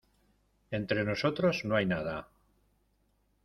entre nosotros no hay nada.